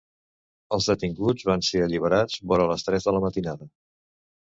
Els detinguts van ser alliberats vora les tres de la matinada.